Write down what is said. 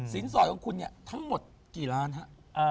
สินสอดของคุณทั้งหมดกี่ล้านครับ